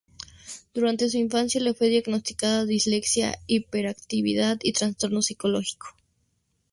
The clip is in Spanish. Durante su infancia le fue diagnosticada dislexia, hiperactividad y trastorno psicológico.